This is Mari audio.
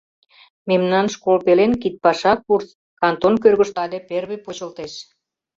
Мемнан школ пелен кидпаша курс кантон кӧргыштӧ але первый почылтеш.